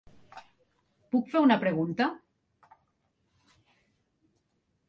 Puc fer una pregunta?